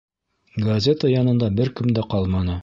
Газета янында бер кем дә ҡалманы.